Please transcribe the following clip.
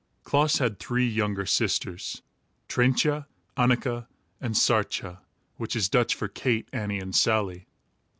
Klaas had three younger sisters, Trintjé, Anneké and Saartjé; which is Dutch for Kate, Annie and Sallie.